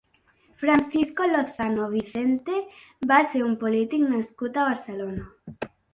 Francisco Lozano Vicente va ser un polític nascut a Barcelona.